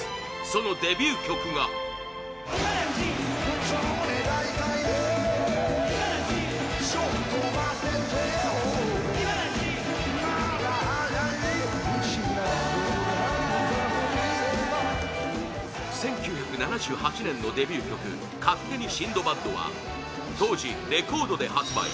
そのデビュー曲が１９７８年のデビュー曲「勝手にシンドバッド」は当時、レコードで発売